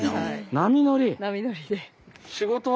波乗りで。